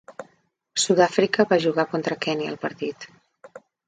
Sud-àfrica va jugar contra Kenya al partit.